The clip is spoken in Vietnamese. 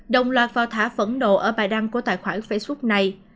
đồng loạt vào thả phẫn độ ở bài đăng của tài khoản facebook này